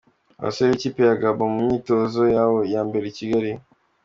Abasore b’ikipe ya Gabon mu myitozo yabo ya mbere i Kigali.